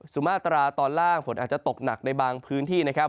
สุมาตราตอนล่างฝนอาจจะตกหนักในบางพื้นที่นะครับ